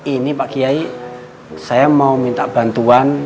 ini pak kiai saya mau minta bantuan